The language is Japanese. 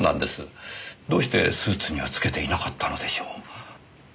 どうしてスーツにはつけていなかったのでしょう？